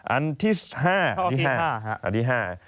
อันที่๕